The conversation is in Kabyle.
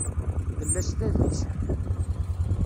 Tella s tadist.